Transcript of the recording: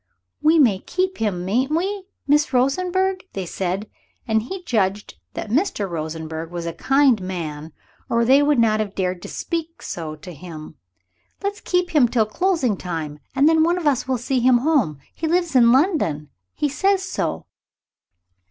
"We may keep him, mayn't we, Mr. Rosenberg?" they said; and he judged that Mr. Rosenberg was a kind man or they would not have dared to speak so to him; "let's keep him till closing time, and then one of us will see him home. He lives in London. He says so."